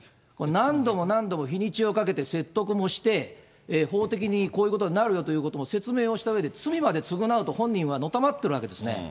何度も何度も日にちをかけて説得もして、法的にこういうことになるよということを説明をしたうえで罪まで償うと、本人はのたまわっているわけですね。